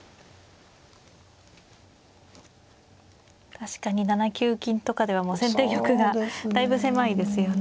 確かに７九金とかではもう先手玉がだいぶ狭いですよね。